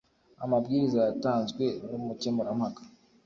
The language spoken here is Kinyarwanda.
Amabwiriza yatanzwe n’ umukemurampaka.